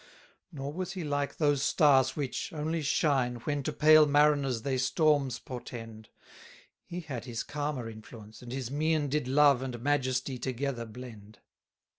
18 Nor was he like those stars which, only shine, When to pale mariners they storms portend: He had his calmer influence, and his mien Did love and majesty together blend.